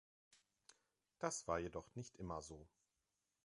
Das war jedoch nicht immer so.